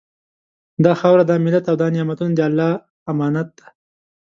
دا خاوره، دا ملت او دا نعمتونه د الله امانت دي